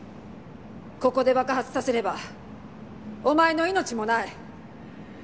ここで爆発させればおまえの命もない。